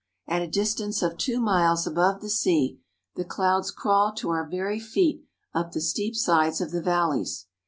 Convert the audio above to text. At a distance of two miles above the sea, the clouds crawl to our very feet up the steep sides of the valleys.